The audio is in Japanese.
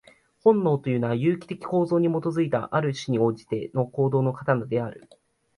本能というのは、有機的構造に基いた、ある種に通じての行動の型である。